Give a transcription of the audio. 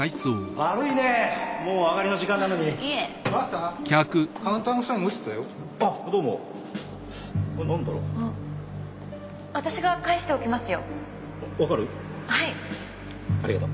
ありがとう。